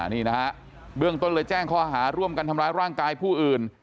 นี่นะฮะเบื้องต้นเลยแจ้งข้อหาร่วมกันทำร้ายร่างกายผู้อื่น